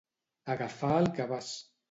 Agafar el cabàs.